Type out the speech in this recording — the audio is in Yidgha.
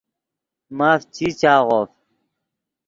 ماف چی چاغوف